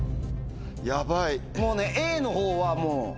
もうねＡのほうは。